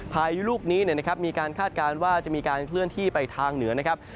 พายุลูกนี้มีการคาดการณ์ว่าจะมีการเคลื่อนที่ไปทางเหนือนะครับ